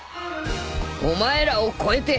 お前らを超えて。